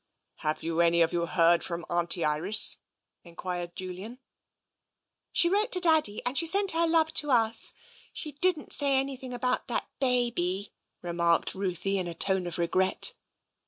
Have you any of you heard from Auntie Iris? " en quired Julian. " She wrote to Daddy, and she sent her love to us. She didn't say anything about that baby," remarked Ruthie in a tone of regret.